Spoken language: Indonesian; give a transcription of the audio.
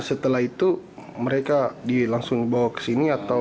setelah itu mereka dilangsung bawa ke sini atau